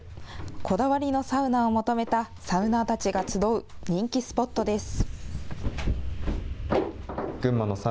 こだわりのサウナを求めたサウナーたちが集う人気スポットです。